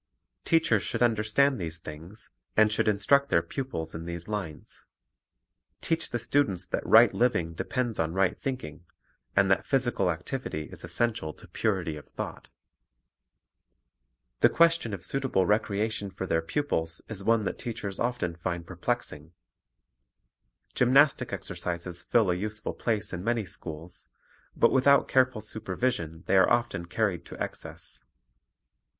Teachers should understand these things, and should instruct their pupils in these lines. Teach the students that right living depends on right thinking, and that physical activity is essential to purity of thought. 2IO Physical Culture Gymnastic Exercises Tendency of Sports Football and Boxing The question of suitable recreation for their pupils is one that teachers often find perplexing. Gymnastic exercises fill a useful place in many schools; but with out careful supervision they are often carried to excess.